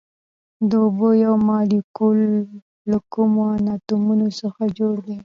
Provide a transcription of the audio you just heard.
د اوبو یو مالیکول له کومو اتومونو څخه جوړ دی